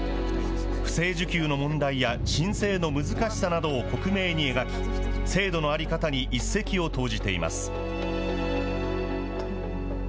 不正受給の問題や、申請の難しさなどを克明に描き、制度の在り方に一石を投じています。